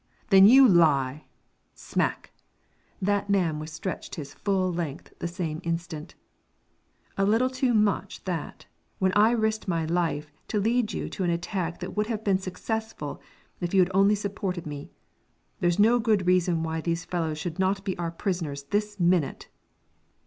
"Then you lie!" Smack! That man was stretched his full length the same instant. "A little too much, that, when I risked my life to lead you to an attack that would have been a success if you had only supported me. There is no good reason why those fellows should not be our prisoners this minute!"